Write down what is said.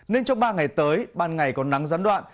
nên trong ba ngày tới ban ngày có nắng gián đoạn